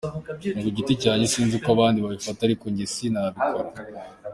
Ni ku giti cyanjye sinzi uko abandi babifata ariko njye sinabikora”.